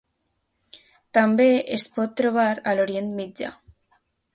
També es pot trobar a l'Orient Mitjà.